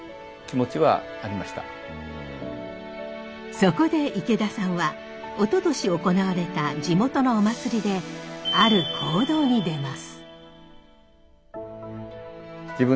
そこで池田さんはおととし行われた地元のお祭りである行動に出ます。